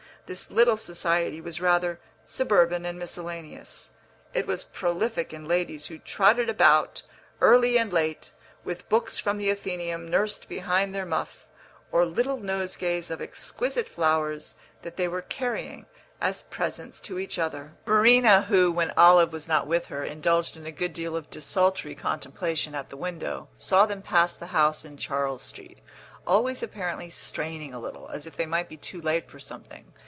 This little society was rather suburban and miscellaneous; it was prolific in ladies who trotted about, early and late, with books from the Athenæum nursed behind their muff, or little nosegays of exquisite flowers that they were carrying as presents to each other. Verena, who, when Olive was not with her, indulged in a good deal of desultory contemplation at the window, saw them pass the house in Charles Street, always apparently straining a little, as if they might be too late for something.